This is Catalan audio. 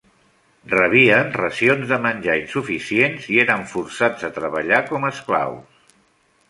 Rebien racions de menjar insuficients i eren forçats a treballar com esclaus.